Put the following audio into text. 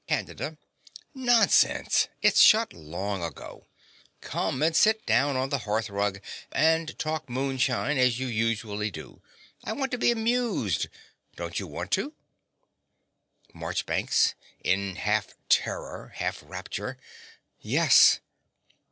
CANDIDA. Nonsense: it's shut long ago. Come and sit down on the hearth rug, and talk moonshine as you usually do. I want to be amused. Don't you want to? MARCHBANKS (in half terror, half rapture). Yes.